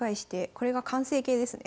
これが完成形ですね。